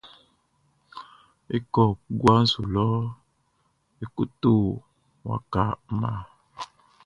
E kɔ guaʼn su lɔ e ko to waka mma.